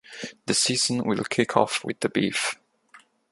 The season will kick off with the Beef.